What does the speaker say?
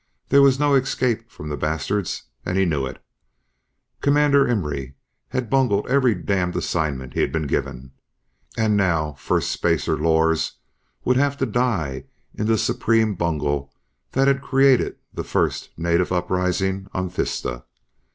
There was no escape from the bastards, and he knew it. Commander Imry had bungled every damned assignment he'd been given, and now Firstspacer Lors would have to die in the supreme bungle that had created the first native uprising on Thista.